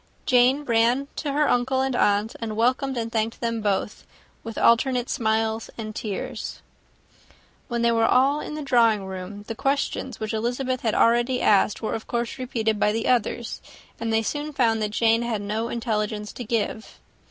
Jane ran to her uncle and aunt, and welcomed and thanked them both, with alternate smiles and tears. When they were all in the drawing room, the questions which Elizabeth had already asked were of course repeated by the others, and they soon found that Jane had no intelligence to give.